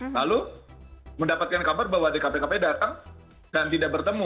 lalu mendapatkan kabar bahwa dkpkp datang dan tidak bertemu